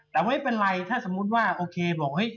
แต่ไม่เป็นไรถ้าสมมุติว่าโอเคบอกเฮ้ย